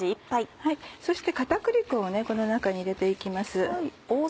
そして片栗粉をこの中に入れて行きます。